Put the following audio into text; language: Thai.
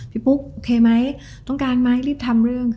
ปุ๊กโอเคไหมต้องการไหมรีบทำเรื่อง